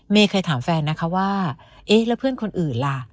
เคยถามแฟนนะคะว่าเอ๊ะแล้วเพื่อนคนอื่นล่ะ